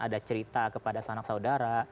ada cerita kepada sanak saudara